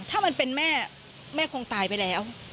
ถ้ามันเป็นแม่แม่คงตายไปแล้ว